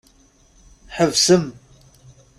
Ḥebsem!